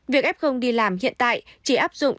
việc f đi làm hiện tại chỉ áp dụng